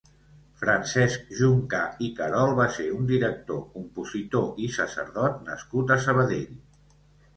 Francesc Juncà i Carol va ser un director, compositor i sacerdot nascut a Sabadell.